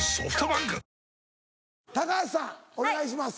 高橋さんお願いします。